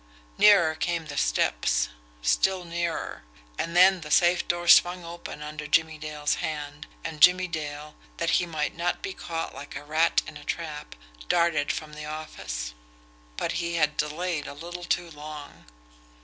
Nearer came the steps still nearer and then the safe door swung open under Jimmie Dale's hand, and Jimmie Dale, that he might not be caught like a rat in a trap, darted from the office but he had delayed a little too long.